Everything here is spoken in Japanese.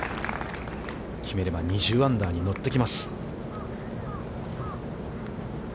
決めれば、２０アンダーに乗ってきます。